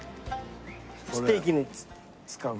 ステーキに使う。